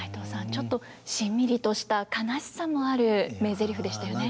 ちょっとしんみりとした悲しさもある名ゼリフでしたよね。